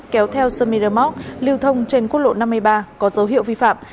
kéo theo samiramok lưu thông trên quốc lộ năm mươi ba có dấu hiệu vi phạm